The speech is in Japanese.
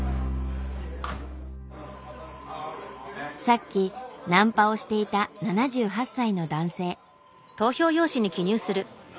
さっきナンパをしていた７８歳の男性。